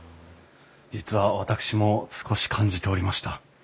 実は私も少し感じておりました。